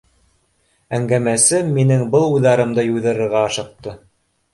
Әңгәмәсем минең был уйҙарымды юйҙырырға ашыҡты.